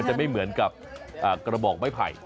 จะไม่เหมือนกับกระบอกไม้ไผ่